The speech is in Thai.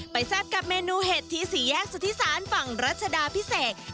แซ่บกับเมนูเห็ดที่สี่แยกสุธิศาลฝั่งรัชดาพิเศษ